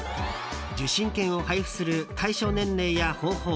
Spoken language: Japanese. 受診券を配布する対象年齢や方法